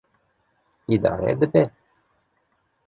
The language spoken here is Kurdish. Îdare dibe.